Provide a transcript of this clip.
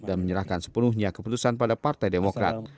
dan menyerahkan sepenuhnya keputusan pada partai demokrat